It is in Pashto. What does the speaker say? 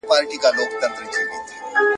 ليکوال؛ علي عباس جلال پوري